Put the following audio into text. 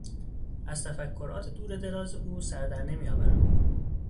از تفکرات دور و دراز او سر در نمیآورم.